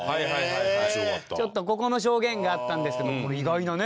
ちょっとここの証言があったんですけど意外なね。